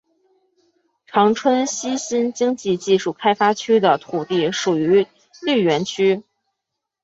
长春西新经济技术开发区的土地属于绿园区。